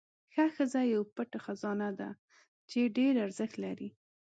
ښه ښځه یو پټ خزانه ده چې ډېره ارزښت لري.